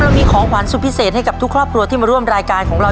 เรามีของขวัญสุดพิเศษให้กับทุกครอบครัวที่มาร่วมรายการของเรา